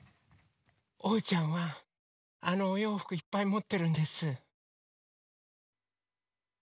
おうちゃんはあのおようふくいっぱいもってるんです。